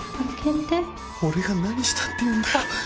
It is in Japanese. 「俺が何したっていうんだよ？」